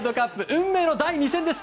運命の第２戦です。